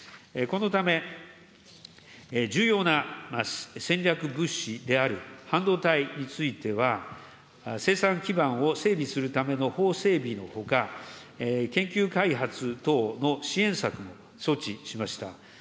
このため、重要な戦略物資である半導体については、生産基盤を整備するための法整備のほか、研究開発等の支援策、措置しました。